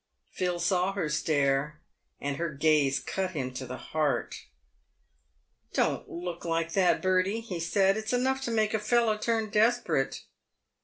Phil saw her stare, and her gaze cut him to the heart. PAVED WITH GOLD. 127 "Don't look like that, Bertie," lie said; "it's enough to make a feller turn desperate."